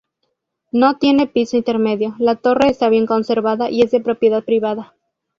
No tiene piso intermedio, la torre está bien conservada y es de propiedad privada.